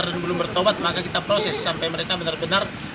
ini berhokus ini udah saya mau bawa